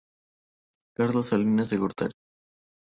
Carlos salinas de gortari.